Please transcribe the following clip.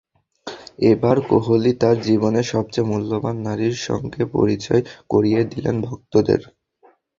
এবার কোহলি তাঁর জীবনের সবচেয়ে মূল্যবান নারীর সঙ্গে পরিচয় করিয়ে দিলেন ভক্তদের।